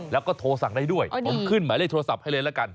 แล้วก็โทรสั่งได้ด้วยผมขึ้นหมายเลขโทรศัพท์ให้เลยละกัน